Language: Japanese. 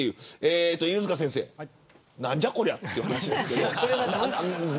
犬塚先生なんじゃこりゃという話ですが。